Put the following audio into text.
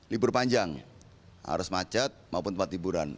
libur panjang arus macet maupun tempat hiburan